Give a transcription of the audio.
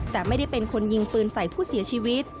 แต่ไม่ได้เป็นคนยิงปืนใส่ผู้เสียชีวิต